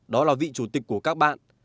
đó là vị chủ tịch của các bác